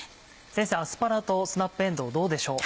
アスパラとスナップえんどうどうでしょう？